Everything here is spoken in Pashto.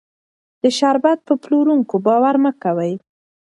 د شربت په پلورونکو باور مه کوئ.